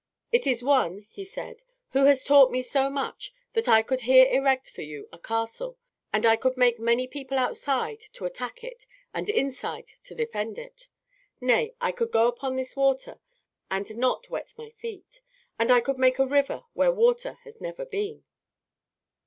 "It is one," he said, "who has taught me so much that I could here erect for you a castle, and I could make many people outside to attack it and inside to defend it; nay, I could go upon this water and not wet my feet, and I could make a river where water had never been."